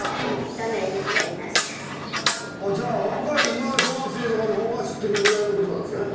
じゃあ若い今の小学生とかの方が知ってるぐらいのことなんですね？